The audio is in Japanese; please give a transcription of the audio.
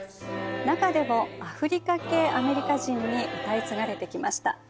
中でもアフリカ系アメリカ人に歌い継がれてきました。